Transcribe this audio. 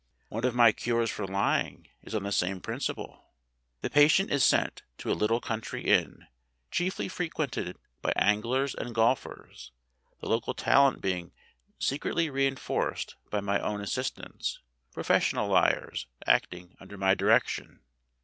One of my cures for lying is on the same principle; the patient is sent to a little country inn, chiefly frequented by anglers and golfers, the local talent being secretly re inforced by my own assistants, professional liars, act ing under my direction.